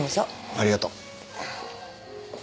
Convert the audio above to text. ありがとう。